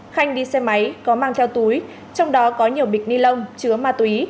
khanh đi xe máy có mang theo túi trong đó có nhiều bịch ni lông chứa ma túy